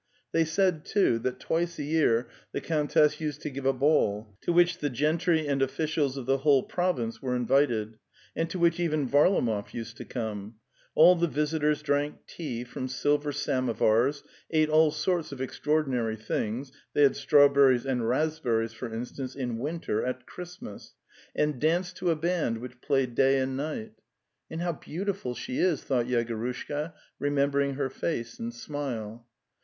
They said, too, that twice a year the countess used to give a ball, to which the gentry and officials of the whole province were invited, and to which even Varlamov used to come; all the visitors drank tea from silver samovars, ate all sorts of ex traordinary things (they had strawberries and rasp berries, for instance, in winter at Christmas), and danced to a band which played day and night... . The Steppe 209 '" And how beautiful she is," thought Yegorushka, remembering her face and smile.